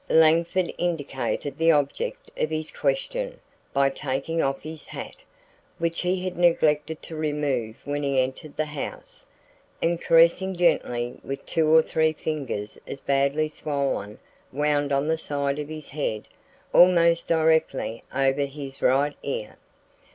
Langford indicated the object of his question by taking off his hat, which he had neglected to remove when he entered the house, and caressing gently with two or three fingers a badly swollen wound on the side of his head almost directly over his right ear.